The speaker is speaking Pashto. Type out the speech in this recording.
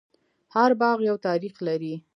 هر باغ یو تاریخ لري.